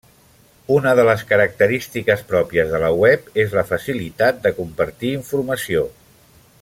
Una de les característiques pròpies de la web és la facilitat de compartir informació.